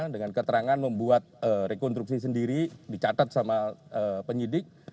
dengan keterangan membuat rekonstruksi sendiri dicatat sama penyidik